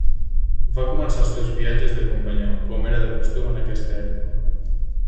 Va començar els seus viatges de companyó, com era de costum en aquesta època.